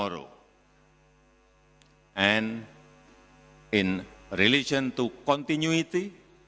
dan berkaitan dengan kontinuasi